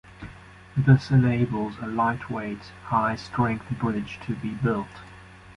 This enables a lightweight, high strength bridge to be built.